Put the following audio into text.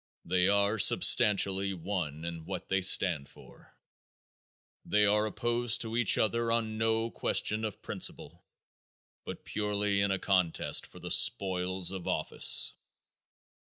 They are substantially one in what they stand for. They are opposed to each other on no question of principle but purely in a contest for the spoils of office.